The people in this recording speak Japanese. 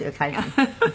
フフフフ。